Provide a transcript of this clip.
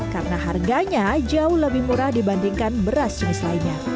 karena harganya jauh lebih murah dibandingkan beras jenis lainnya